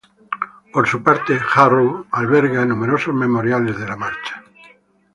Por su parte, Jarrow alberga numerosos memoriales de la marcha.